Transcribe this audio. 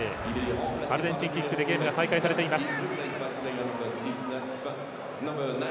アルゼンチンのキックでゲームが再開されています。